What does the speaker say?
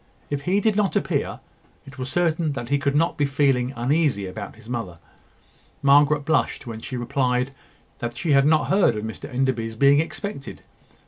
If he did not appear, it was certain that he could not be feeling uneasy about his mother. Margaret blushed when she replied that she had not heard of Mr Enderby's being expected.